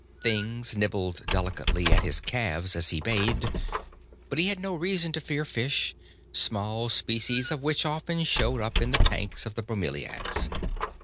Things nibbled delicately at his calves as he bathed, but he had no reason to fear fish, small species of which often showed up in the tanks of the bromelaids.